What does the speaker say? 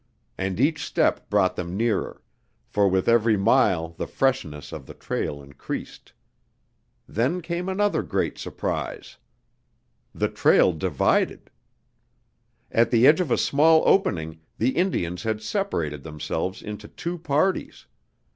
And each step brought them nearer, for with every mile the freshness of the trail increased. Then came another great surprise. The trail divided! At the edge of a small opening the Indians had separated themselves into two parties.